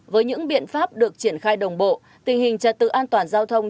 với những biện pháp được triển khai đồng bộ tình hình trật tự an toàn giao thông